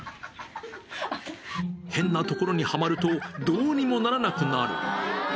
変な所にはまると、どうにもならなくなる。